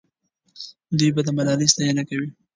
دوی به د ملالۍ ستاینه کوي.